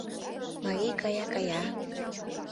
Марий кая-кая...